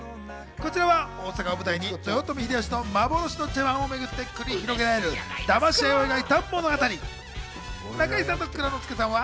こちらは大阪を舞台に豊臣秀吉の幻の茶碗をめぐって繰り広げられる、だましあいを描いた物語。